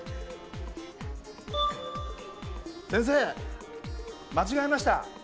先生間違えました。